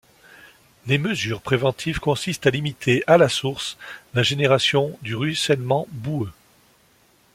Les mesures préventives consistent à limiter à la source la génération du ruissellement boueux.